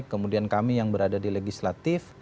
kemudian kami yang berada di legislatif